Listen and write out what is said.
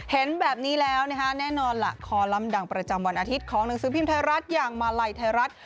เห็นแบบนี้แล้วนะคะแน่นอนล่ะคอลัมป์ดังประจำวันอาทิตย์ของหนังสือพิมพ์ไทยรัฐอย่างมาลัยไทยรัฐ